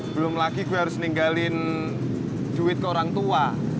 belum lagi gue harus ninggalin duit ke orang tua